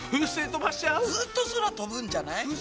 ずっと空飛ぶんじゃない？